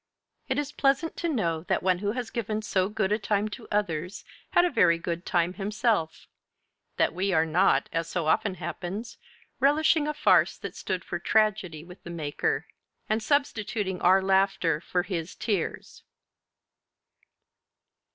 It is pleasant to know that one who has given so good a time to others had a very good time himself; that we are not, as so often happens, relishing a farce that stood for tragedy with the maker, and substituting our laughter for his tears.